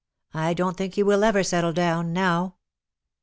I don't think he will ever settle down — now."